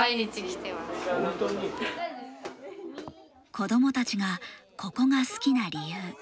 子供たちが、ここが好きな理由。